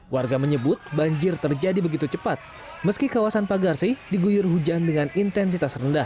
warga menyebut banjir terjadi begitu cepat meski kawasan pagarsi diguyur hujan dengan intensitas rendah